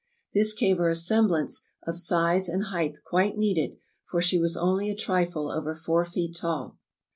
This gave her a semblance of size and height quite needed, for she was only a trifle over four feet tall.